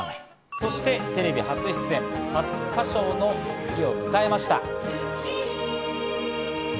そしてテレビ初生出演、初歌唱の日を迎えました。